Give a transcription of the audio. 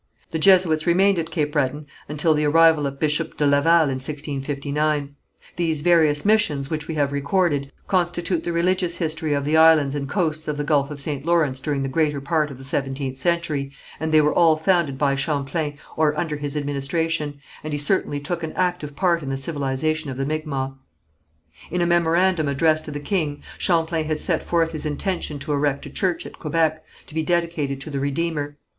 The Jesuits remained at Cape Breton until the arrival of Bishop de Laval in 1659. These various missions which we have recorded, constitute the religious history of the islands and coasts of the gulf of St. Lawrence during the greater part of the seventeenth century, and they were all founded by Champlain or under his administration, and he certainly took an active part in the civilization of the Micmacs. In a memorandum addressed to the king, Champlain had set forth his intention to erect a church at Quebec, to be dedicated to the Redeemer.